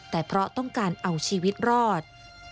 แต่เพราะต้องการเอาชีวิตรอด